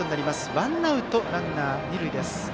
ワンアウトランナー、二塁です。